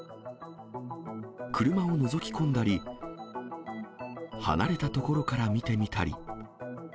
車をのぞき込んだり、離れた所から見てみたり。